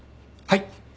はい！